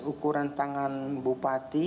ukuran tangan bupati